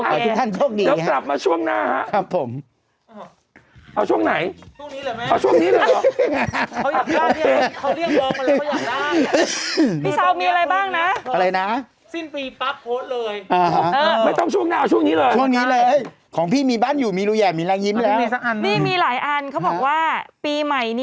โอเคแล้วก็กลับมาช่วงหน้าครับช่วงหน้าครับฮะ